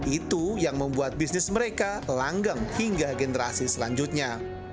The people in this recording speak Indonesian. itu yang membuat bisnis mereka langgeng hingga generasi selanjutnya